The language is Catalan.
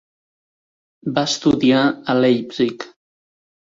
Va estudiar a Leipzig.